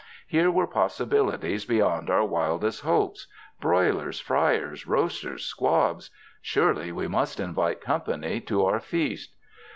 Here were possibilities beyond our wildest hopes— broil ers, friers, roasters, squabs — surely we must invite company to our feast.